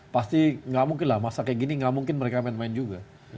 pasti nggak mungkin lah masa kayak gini gak mungkin mereka main main juga